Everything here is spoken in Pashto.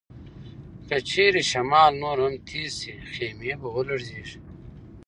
که چیرې شمال نور هم تېز شي، خیمې به ولړزيږي.